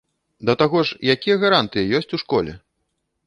Да таго ж, якія гарантыі ёсць у школе?